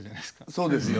そうですよ。